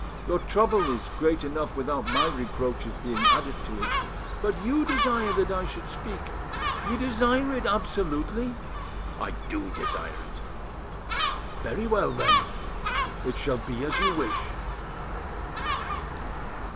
Your trouble is great enough without my reproaches being added to it. But you desire that I should speak, you desire it absolutely?" "I do desire it." "Very well, then; it shall be as you wish."